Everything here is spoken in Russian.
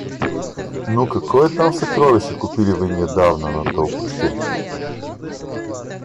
Ну, какое там сокровище купили вы недавно на толкучке?